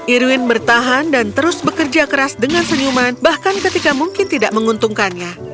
irwin bertahan dan terus bekerja keras dengan senyuman bahkan ketika mungkin tidak menguntungkannya